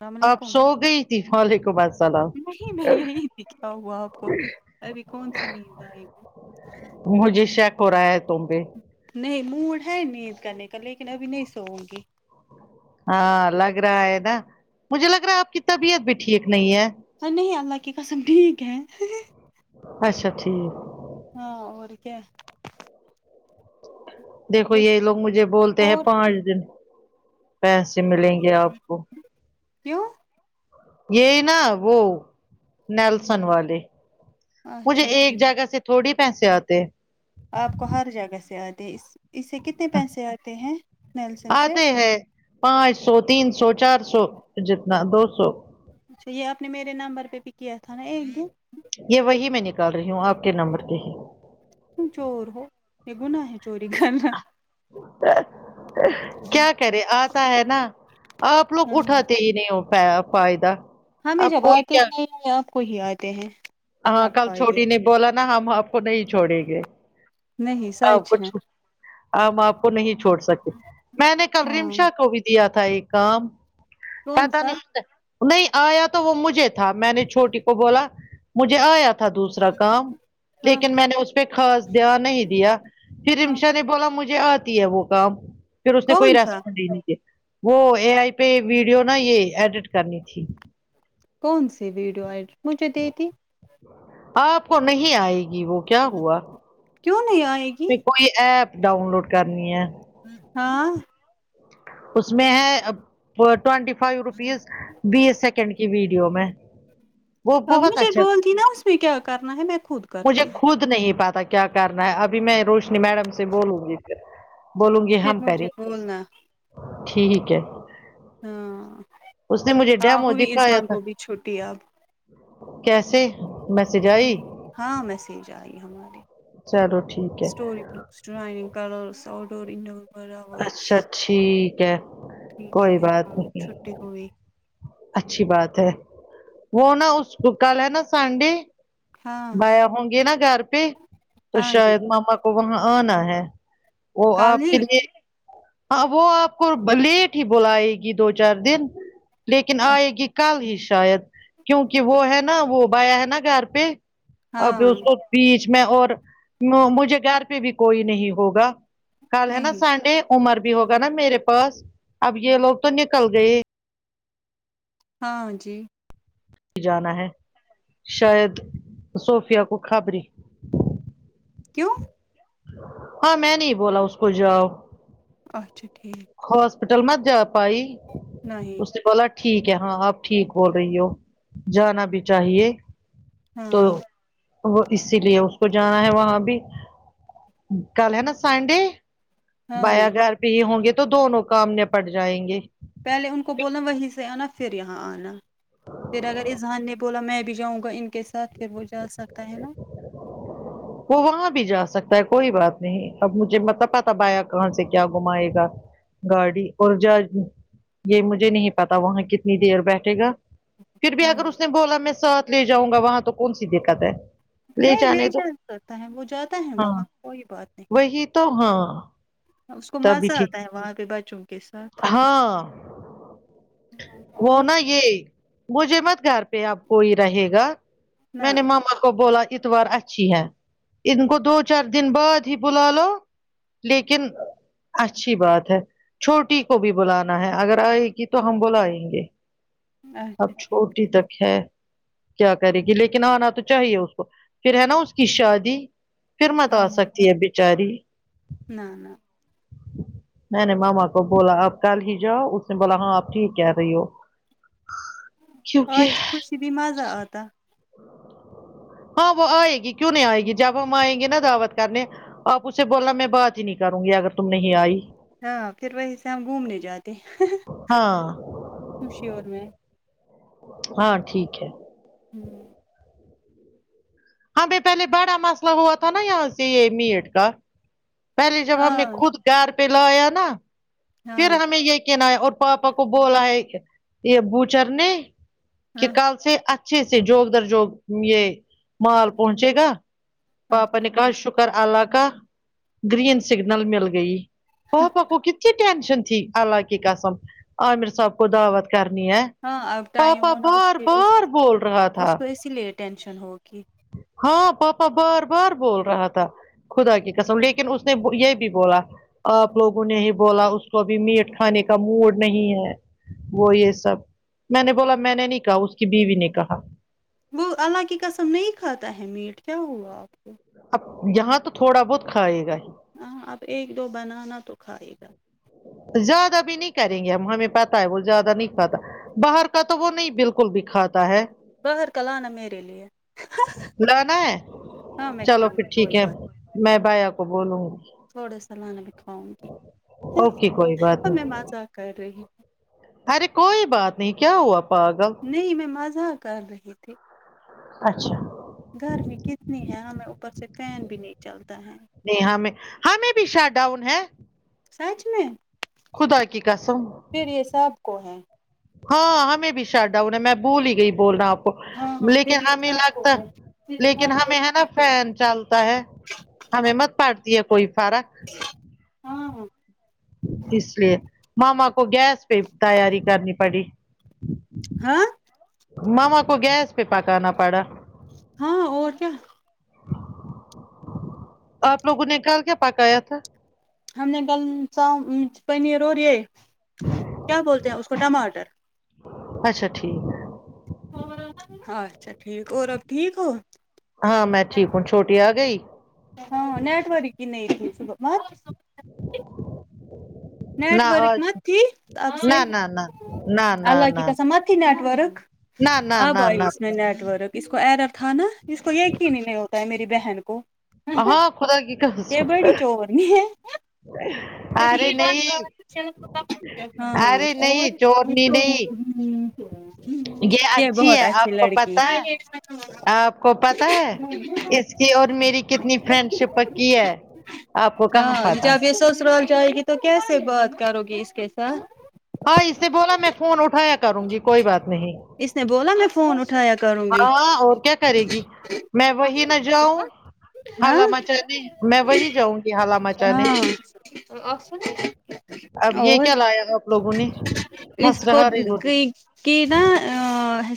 السلام آپ علیکم سو گئی تھی فے کو بس نہیں نہیں یہی تھی کیا ہوا آپ کو ابھی کون سی نیند آئے گی مجھے شیک ہو رہا ہے تم پہ نہیں موڑ ہے نیند کرنے کا لیکن ابھی نہیں سووں گی ہاں لگ رہا ہے نا مجھے لگ رہا آپ کی طبیعت بھی ٹھیک نہیں ہے ار نہیں اللہ کی قسم ٹھیک ہے اچھا ٹھیک ہاں اور کیا دیکھو یہ لوگ مجھے بولتے ہیں اور پانچ دن پیسے ملیں گے آپ کو کیوں یہی نا وہ نیلسن والے مجھے اچھا ایک ٹھیک جگہ سے تھوڑی پیسے آتے آپ کو ہر جگہ سے آتے اس اس سے کتنے پیسے آتے ہیں نیلسن سے آتے ہیں پانچ سو تین سو چار سو جتنا دو سو اچھا یہ آپ نے میرے نمبر پہ بھی کیا تھا نا ایک یہ وہی میں نکال رہی ہوں آپ کے نمبر پہ ہی ت چور ہو یہ گناہ ہے چوری کرنا کیا کرے آتا ہے نا آپ لوگ ہمم اٹھاتے نہیں ہو پیاپیدا ہمیں جب آتے ہی نہیں آپ کو ہی آتے ہیں ہاں سب کل فائدے چھوٹی نے بولا نا ہم آپ کو نہیں چھوڑیں گے نہیں سچ آپ کو ہے چھو- ہم آپ کو نہیں چھوڑ سکتے میں نے کل ہاں رمشا کو بھی دیا تھا ایک کام کون پت سا نہیں نہیں آیا تو وہ مجھے تھا میں نے چھوٹی کو بولا مجھے آیا تھا تھا دوسرا کام ہاں لیکن میں نے اس پہ خاص دھیان نہیں دیا پھر ہاں رمشا نے بولا مجھے آتی ہے وہ کام پھر اس نے کوئی کون سا رسم نہیں د وہ اے آئی پہ ویڈیو نا یہ ایڈٹ کرنی تھی کون سی ویڈیو ای مجھے دے دی آپ کو نہیں آئے گی وہ کیا ہوا کیوں نہیں آئے گی میں کوئی ایپ ڈاؤن لوڈ کرنی ہے ہاں اس میں ہے ٹوینٹی فائیو روپیز بیس سیکنڈ کی ویڈیو میں وہ ا بہت مجھے اچھا بولتی نا اس میں کیا کرنا ہے میں خود مجھے کرتی خود نہیں پاتا کیا کرنا ہے ابھی میں روشنی میڈم سے بولوں گی پھر بولوں گی پھر ہم کریں مجھے گے بولنا ٹھیک ہے ہاں اس نے مجھے ہاں ڈیمو ہوئی دکھایا اذہان تھا کو بھی چھٹی اب کیسے میسج آئی ہاں میسج آئی ہماری چلو ٹھیک ہے اسٹرائن کلورس اؤٹ ڈور انڈور اچھا برابرس ٹھیک ہے ٹھیک کوئی ہے بات ہاں نہیں چھٹی ہوئی اچھی بات ہے وہ نا اس کل ہے نا سنڈے ہاں بایاں ہوں گے نا گھر پہ تو ہاں جی شاید ماما کو وہاں آنا ہے وہ کل آپ کے ہی لیے ہاں وہ آپ کو لیٹ ہی بلائے گی دو چار دن لیکن آئے گی کل ہی شاید کیونکہ وہ ہے نا وہ بیا ہے نا گھر پہ آب ہاں اس بیچ میں اور مجھے گیار پہ بھی کوئی نہیں ہوگا کل ہے نا نہیں عمر بھی ہوگا نا میرے پاس اب یہ لوگ تو نکل گئے ہاں جی جانا ہے شاید صوفیہ کو خابری کیوں ہاں میں نہیں بولا اس کو جاؤ اچھا ٹھیک ہسپٹل مت جا پائی نہیں اس نے بوال ٹھیک ہے ہاں آپ ٹھیک بول رہی ہو جانا بھی چاہیے تو ہاں وہ اسی لیے اس کو جانا ہے وہاں بھی کل ہے نا سنڈے ہاں بایاں گھر ہی ہوں گے تو دونوں کام نپٹ جائیں گے پہلے ان کو بولنا وہیں سے آنا پھر یہاں آنا پھر اگر اذہان نے بولا میں بھی جاؤں گا ان کے ساتھ پھر وہ جا سکتا ہے نا وہ وہاں بھی جا سکتا ہے کوئی بات نہیں اب مجھے مطلب پتا بایا کہاں سے کیا گھمائے گا گاڑی اور جا یہ مجھے نہیں پتا وہاں کتنی دیر بیٹھے گا پھر بھی ہوں اگر اس نے بولا میں ساتھ لے جاؤں گا وہاں تو کون سی دقت ہے نہیں لے جانے تو جا جاتا ہے وہ ہے ہاں وہاں کوئی بات نہیں وہی تو ہاں اس کو تبھی مزہ ٹھیک آتا ہے وہاں پہ بچوں کے ساتھ ہاں وہ اور یہ مجھے مت گھر پہ آب کوئی رہے گا نہ میں نے مما کو بولا اتوار اچھی ہے ان کو دو چار دن بعد ہی بلا لو لیکن اچھی بات ہے چھوٹ ٹی کو بھی بلانا ہے اگر آئے گی تو ہم بلائیں گے اچھا اب ٹھیک چھوٹی تک ہے کیا کرے گی لیکن آنا تو چاہیے اس کو پھر ہے نا اس کی شادی پھر مت ہاں آ سکتی ہے بچاری نہ نہ نہیں نہیں ماما بولا آپ کل ہی جاؤ اس نے بولا ہاں آپ ٹھیک کہہ رہی ہو کیونکہ آتی خوشی بھی مزہ آتا ہاں وہ آئے گی کیوں نہیں آئے گی جب ہم آئیں گے نا دعوت کرنے آپ اسے بولا میں بات ہی نہیں کروں گی اگر تم نہیں آئی ہاں پھر وہی سے ہم گھومنے جاتے ہاں کشیور میں ہاں ٹھیک ہے ہوں ہمیں پہلے بڑا مسئلہ ہوا تھا نا یہاں سے یہ میٹ کا پہلے جب ہم ہاں نے خود [unintelligible] ہاں پھر ہمیں یہ کہنا ہے اور پاپا کو بولا ہے یہ بوچر نے کہ ہاں کل سے اچھے سے جوب در جوب یہ مال پہنچے گا پاپا اچھا نے ٹھیک کہا شکر اللہ کا گرین سگنل مل گئی پاپا کوو کتی ٹینشن تھی اللہ کے قسم عامر صاحب کو دعوت کرنی ہے ہاں اب ٹائم پاپا ہو نا اس بار کے اس بار بول رہا اس تھا کو اسی لیے ٹینشن ہوگی ہاں پاپا بار بار بول رہا تھا خدا کی قسم لیکن اس نے یہ بھی بولا آپ لوگوں نے ہی بولا اس کو ابھی میٹ کھانے کا موڈ نہیں ہے وہ یہ سب میں نے بولا میں نے نہیں کہا اس کی بیوی نے کہا وہ اللہ کی قسم نہیں کھاتا ہے میٹ کیا ہوا آپ کو اب یہاں تو تھوڑا بہت کھائے گا ہی ہاں آپ ایک دو بنانا تو کھائے گا زیادہ بھی نہیں کریں گے ہم ہمیں پتہ ہے وہ زیادہ نہیں پاتا باہر کا تو وہ نہیں بالکل بھی کھاتا ہے باہر کلانا میرے لیے لانا ہے ہاں میں چلو کھاؤں پھر گی کوئی ٹھیک ہے بات میں بایا کو بولوں تھوڑا سلانہ بکھواؤں گی اوکے کوئی بات ہم میں نہیں مذاق کر رہی ہوں ارے کوئی بات نہیں کیا ہوا پاگل نہیں میں مزاح کر رہی تھی اچھا گرمی کتنی ہے ہمیں اوپر سے فین بھی نہیں چلتا ہے نہیں ہمیں ہمیں بھی شٹ ڈاؤن ہے سچ میں خدا کی قسم پھر یہ سب کو ہے ہاں ہمیں بھی شٹ ڈون میں بھول ہی گئی بولنا ہاں پھر لیکن یہ ہمیں سب کو لگتا ہے صرف لیکن ہم کو ہمیں ہے نا نہیں۔ فین چلتا ہے ہمیں مت پڑتی ہے کوئی فرق ہاں اس لیے ماما کو گیس پہ تیاری کرنی پڑی ہاں ماما کو گیس پہ پکانا پڑا ہاں اور کیا آپ لوگوں نے کل کیا پکایا تھا ہم نے کل پنیر اور یہ کیا بولتے ہیں اس کو ٹماٹر اچھا ٹھیک ہے اچھا ٹھیک اور اب ٹھیک ہو ہاں میں ٹھیک ہوں چھوٹی آ گئی ہاں نیٹورک کی نہیںتی صبح مٹ نہ نیٹ ورک آج مت تھی اب نہ نہ نہ نہ نہ سےاللہ کی قسم مت تھی نیٹ ورک نہ نہ آب نہ ائی نہ اس میں نیٹ ورک اس کو ایرر تھا نا اس کو یقین ہی نہیں ہوتا ہے میری بہن کو ہاں خدا کی یہ قسم بڑی چور نی ہے ارے نہیں ہاں ارے اور نہیں چورنی نہیں یہ اچھی ہے آپ کو پتا ہے آپ کو پتا ہے اس کی اور میری کتنی فرینڈ شپ پکی ہے آپ کو کہاں ہاں پتہ ہے جب یہ سسرال جائے گی تو کیسے بات کرو گی اس کے ساتھ ہاں اس سے بولا میں فون اٹھایا کروں گی کوئی بات نہیں اس نے بولا میں فون اٹ اٹھایا کروں گی ہاں اور کیا کرے گی میں وہی نہ جاؤں ہاں ہالا مچانے میں وہی جاؤں گی ہالا مچانے اچھا اب یہ اور کیا لایا آپ لوگوں نے اس ہنس کو رہا رہی ہوگی کہ کہ نا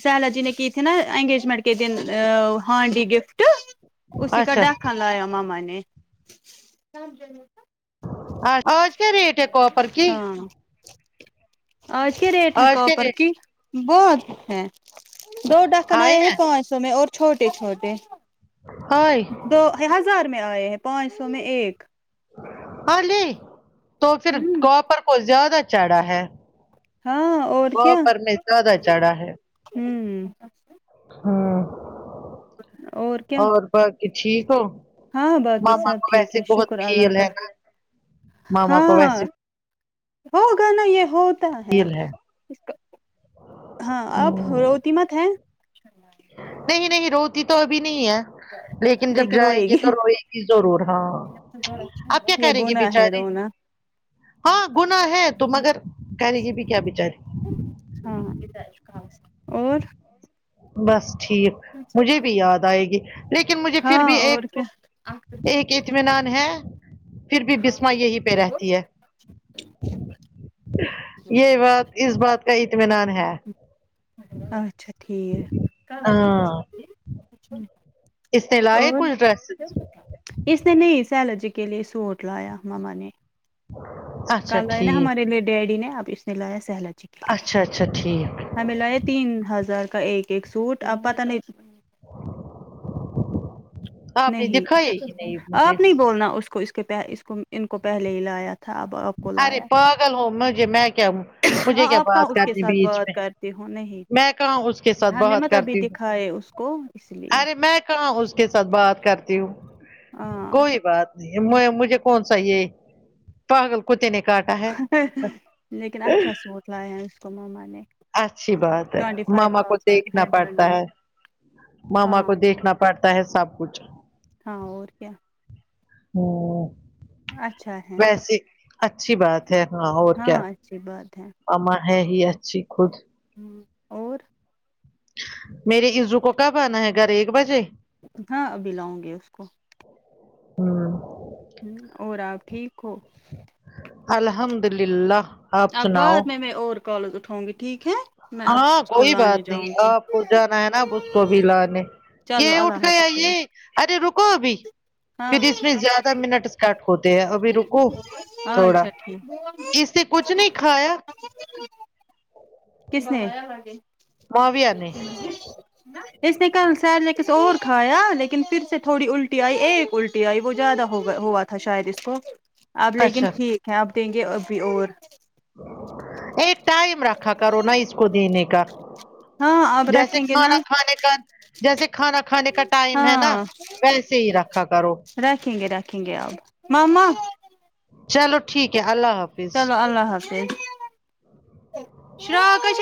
سیلا جی نے کی تھی نا انگیجمینٹ کے دن ا ہانڈی گفٹ اچ اس کا ڈاکاں لایا ماما نے آج کیا ریٹ ہے کوپر کی ہاں آج کیا ریٹ ہے آج کیا کاپر ریٹ کی بہت ہے دو ڈکن ہائی آئے ہیں ہے پانچ سو میں اور چھوٹے چھوٹے ہائے دو ہزار میں آئے ہیں پانچ سو میں ایک ہا لے تو پھر ہوں کاپر کو زیادہ چڑھا ہے ہاں اور کیا وہپ پر نے زیادہ چڑھا ہے ہوں ہاں اور باقی ٹھیک ہو ہاں باقی ماما سب کو ٹھیک ویسے ہے بہت شکر اللہ فیل کا ہے نا ماما کو ہاں ویسے ہوگا نا یہ ہوتا ہے ہاں اب روتی مت ہیں نہیں نہیں روتی تو ابھی نہیں ہے لیکن جب جائیں گے تو روئے گی ضرور ہاں آپ کیا یہ کریں گی گناہ ہے بچاریے رونا ہاں گنا ہے تو مگر کرہے گی بھی کیا بچاری ہاں اور بس ٹھیک مجھے بھی یاد آئے گی لیکن مجھے پھر ہاں بھی اور ایک کیا ایک اطمینان ہے پھر بھی بسما یہی پہ رہتی ہے یہ بات اس بات کا اطمینان ہے اچھا ٹھیک ہاں اس نے لائے اور کچھ ڈرسز اس دن ہی سیلاجی کے لیے سوٹ لایا ماما نے اچھا کل آئے نا ٹھیک ہمارے لیے ڈیڈی نے اب اس نے لایا سہلاجی اچھا اچھا ٹھیک ہمیں ل تین ہزار کا ایک ایک سوٹ اب پت نہیں آپ نے نہیں دکھایا ہی نہیں مجھے آپ نہیں بولنا اس کو ان کو پہلے ہی لایا تھا اب آپ کو ارے لایا پاگل ہو مجھے میں کیا مجھے ہاں کیا آپ کہاں بات اس کے کرنی ساتھ بیچ بات میں کرتی ہو نہیں میں کہاں اس کے ساتھ ہم نے بات مت ابھی کرتی دکھائے کو اس لیے ہاں اس کے ساتھ بات کرتی ہوں ہاں کوئی بات نہیں مجھے کون سای یہ پاگل کتے نے کاٹا ہے لیکن اچھا سوٹ لائاں کو ماما نے اچھی بات ہے ٹوینٹی فائیو ماما کو تھاؤزینڈ دیکھنا ہنڈریڈ پڑتا میں ہے ماما ہاں کو دیکھنا پڑتا ہے سب کچھ ہاں اور کیا ہو اچھا ہے اچھی بات ہے ہاں اور کیا اچھی بات ہے اما ہے ہی اچھی خود ہوں اور میرے عزو کو کب آنا ہے گھر ایک بجے ہاں ابھی لاؤں گی اس کو ہمم ہمم اور آپ ٹھیک ہو الحمد اللہ اب بعد میں میں اور کالز اٹھاؤں گی ٹھیک ہے میں اب ہاں اس کو کوئی لانے بات نہیں جاؤں گی آپ کو جانا ہے نا اس کو بھی لانے یہ چلو اٹھ اللہ گیا یہ حافظ ارے رکو ابھی ہاں پھر اس میں زیادہ منٹ کٹ ہوتے ہیں ابھی رکو تھوڑا اچھا ٹھیک اس سے کچھ نہیں کھایا کس نے معاویہ نے [unintelligible] اس نے کل سرالککس اور کھایا لیکن پھر سے تھوڑی الٹی آئی ایک الٹی پے ائی وہ زیادہ ہوگا ہوا تھا شاید اس کو اب لیکن اچھا ٹھیک ہے آپ دیں گے ابھی اور ایک ٹائم رکھا کرو نا اس کو دینے کا ہاں اب جیسے رکھیں گے نا کھانا کھانے کا جیسے کھانا کھانے کا ٹائم ہے نا ہاں ویسے ہی رکھا کرو رکھیں گے رکھیں گے آپ مما چلو ٹھیک ہے اللہ حافظ چلو اللہ حافظ [unintelligible] شرااک